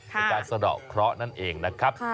ค่ะในการสะดอกเคราะห์นั่นเองนะครับค่ะ